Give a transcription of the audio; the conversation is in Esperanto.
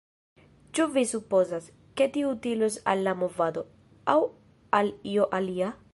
Ĉu vi supozas, ke tio utilos al la movado, aŭ al io alia?